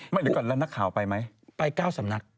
ไม่เหลือก่อนแล้วนักข่าวไปไม่ไป๙สำนัก